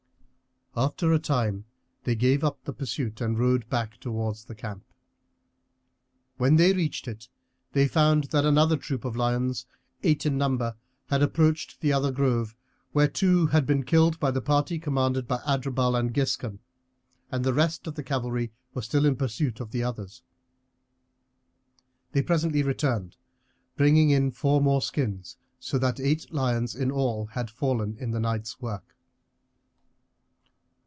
After a time they gave up the pursuit and rode back towards the camp. When they reached it they found that another troop of lions, eight in number, had approached the other grove, where two had been killed by the party commanded by Adherbal and Giscon, and the rest of the cavalry were still in pursuit of the others. They presently returned, bringing in four more skins; so that eight lions in all had fallen in the night's work.